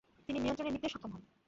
তিনি নিয়ন্ত্রণে নিতে সক্ষম হন।